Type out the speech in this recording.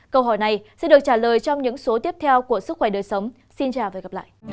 câu hỏi này sẽ được trả lời trong những số tiếp theo của sức khỏe đời sống